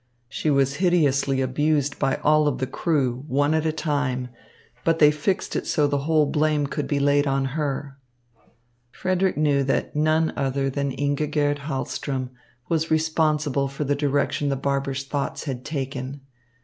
She was hideously abused by all the crew, one at a time, but they fixed it so that the whole blame could be laid on her." Frederick knew that none other than Ingigerd Hahlström was responsible for the direction the barber's thoughts had taken.